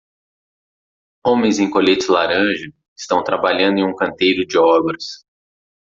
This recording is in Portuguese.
Homens em coletes laranja estão trabalhando em um canteiro de obras.